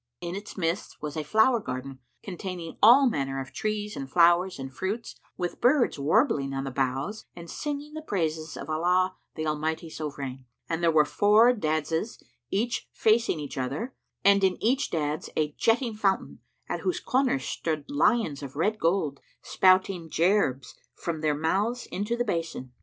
In its midst was a flower garden containing all manner trees and flowers and fruits, with birds warbling on the boughs and singing the praises of Allah the Almighty Sovran; and there were four daďses, each facing other, and in each daďs a jetting fountain, at whose corners stood lions of red gold, spouting gerbes from their mouths into the basin.